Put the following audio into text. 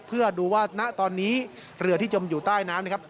เพื่อดูว่าณตอนนี้เรือที่จมอยู่ใต้น้ำนะครับ